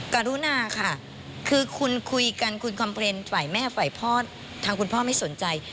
การุณาค่ะคือคุณคุยกันคุณคอมเพลนต์ฝ่ายแม่ฝ่ายพ่อทางคุณพ่อไม่สนใจ